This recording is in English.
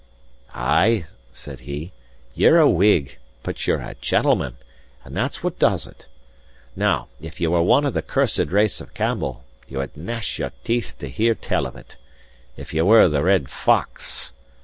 "Ay" said he, "ye're a Whig, but ye're a gentleman; and that's what does it. Now, if ye were one of the cursed race of Campbell, ye would gnash your teeth to hear tell of it. If ye were the Red Fox..."